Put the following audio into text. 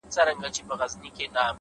هڅاند انسان محدودیت نه مني.!